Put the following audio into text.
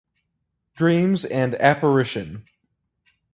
Dreams and Apparition.